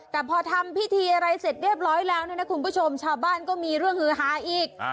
แต่พอทำพิธีอะไรเสร็จเรียบร้อยแล้วเนี่ยนะคุณผู้ชมชาวบ้านก็มีเรื่องฮือฮาอีก